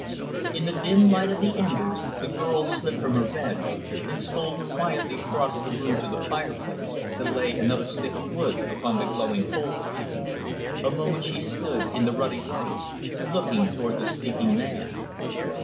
In the dim light of the embers, the girl slipped from her bed and stole quietly across the room to the fire place, to lay another stick of wood upon the glowing coals. A moment she stood, in the ruddy light, looking toward the sleeping man.